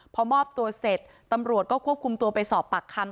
พอมอบตัวเสร็จตำรวจก็ควบคุมตัวไปสอบปากคำ